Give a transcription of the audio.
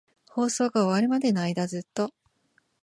放送が終わるまでの間、ずっと。